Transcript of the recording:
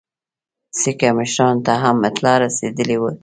سیکه مشرانو ته هم اطلاع رسېدلې وه.